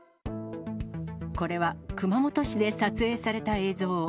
これは熊本市で撮影された映像。